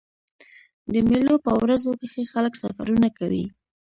د مېلو په ورځو کښي خلک سفرونه کوي.